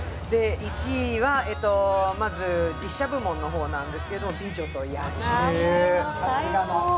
１位は実写部門の方なんですけれども「美女と野獣」。